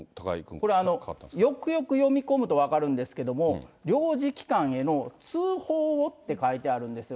これ、よくよく読み込むと分かるんですけれども、領事機関への通報をって書いてあるんですよ。